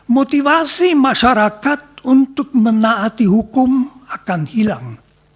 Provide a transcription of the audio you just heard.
motivasi masyarakat untuk menaati hukum akan hilang